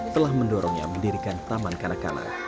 telah mendorongnya mendirikan taman kanak kanak